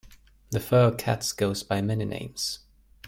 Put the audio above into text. The fur of cats goes by many names.